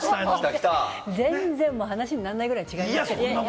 全然話にならないくらい違いますよ。